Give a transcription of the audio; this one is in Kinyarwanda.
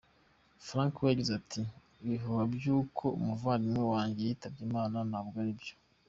Frank we yagize ati "Ibihuha by’uko umuvandimwe wanjye yitabye Imana ntabwo ari byo.